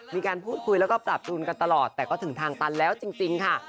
มีการพูดคุยแล้วก็ปรับจูนกันตลอดแต่ก็ถึงทางตันแล้วจริงค่ะ